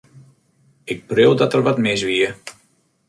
Ik preau dat der wat mis wie.